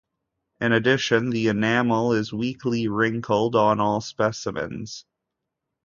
In addition, "the enamel is weakly wrinkled on all specimens".